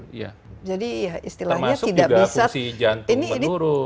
termasuk juga fungsi jantung menurun